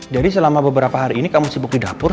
jadi selama beberapa hari ini kamu sibuk di dapur